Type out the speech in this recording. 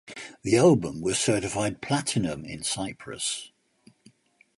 The album was certified Platinum in Cyprus.